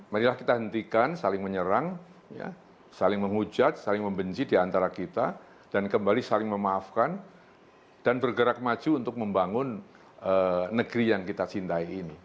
marilah kita hentikan saling menyerang saling menghujat saling membenci diantara kita dan kembali saling memaafkan dan bergerak maju untuk membangun negeri yang kita cintai ini